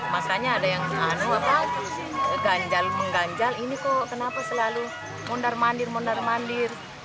masanya ada yang ganjal mengganjal ini kok kenapa selalu mondar mandir mondar mandir